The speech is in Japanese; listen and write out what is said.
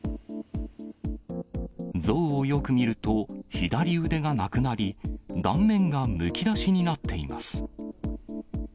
像をよく見ると、左腕がなくなり、断面がむき出しになっています。